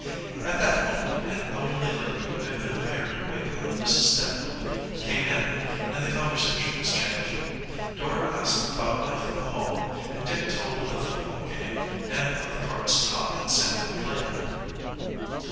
At that moment an elderly lady who had been hired to wait on Mrs. Stanhope came in, and the conversation was changed. Dora asked about life at the Hall, and Dick told of the football game and of the parts Tom and Sam had played in it.